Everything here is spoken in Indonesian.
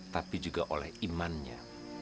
tapi juga oleh imannya